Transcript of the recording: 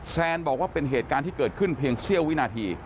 แซนบอกว่าเป็นเหตุการณ์ที่เกิดขึ้นเพียงเสี้ยววินาที